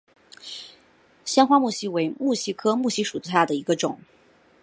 香花木犀为木犀科木犀属下的一个种。